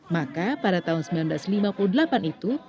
maka pada tahun seribu sembilan ratus lima puluh delapan itu